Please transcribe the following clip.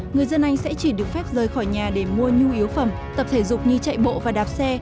người dân anh sẽ chỉ được phép rời khỏi nhà để mua nhu yếu phẩm tập thể dục như chạy bộ và đạp xe